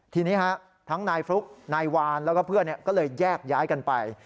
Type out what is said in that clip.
ทีนี้ทั้งนายฟลุ๊กนายวานแล้วก็เพื่อนก็เลยแยกย้ายกันไป